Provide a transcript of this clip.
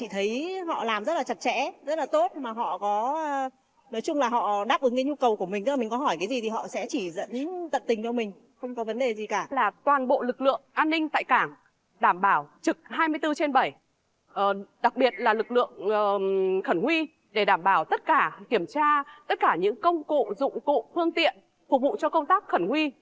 trực hai mươi bốn trên bảy đặc biệt là lực lượng khẩn huy để đảm bảo tất cả kiểm tra tất cả những công cụ dụng cụ phương tiện phục vụ cho công tác khẩn huy